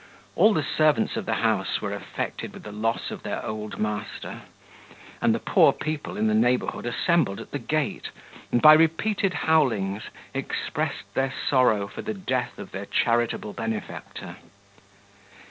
All the servants of the house were affected with the loss of their old master; and the poor people in the neighbourhood assembled at the gate, and, by repeated howlings, expressed their sorrow for the death of their charitable benefactor.